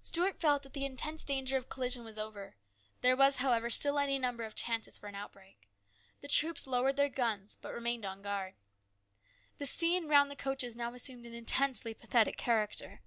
Stuart felt that the immediate danger of collision was over. There was, however, still any number of chances for an outbreak. The troops lowered their guns but remained on guard. The scene round the coaches now assumed an intensely pathetic character.